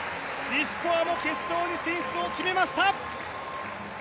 リシコワも決勝に進出を決めました。